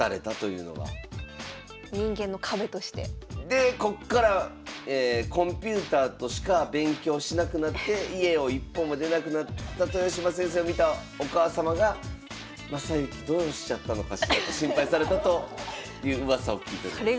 でこっからコンピュータとしか勉強しなくなって家を一歩も出なくなった豊島先生を見たお母様が「将之どうしちゃったのかしら」と心配されたといううわさを聞いております。